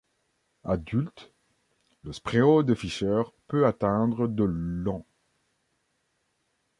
Adulte, le Spréo de Fischer peut atteindre de long.